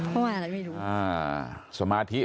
เพราะอะไม่รู้